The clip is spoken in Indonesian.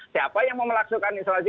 siapa yang mau melaksanakan isolasi